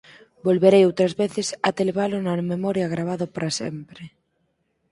Volverei outras veces até levalo na memoria gravado pra sempre.